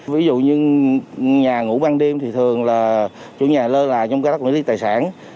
ví dụ như nhà ngủ ban đêm thì thường là chủ nhà lơ là trong cái đất nguyên lý tài sản